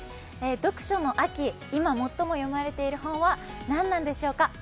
読書の秋、今、最も読まれている本は何なんでしょうか。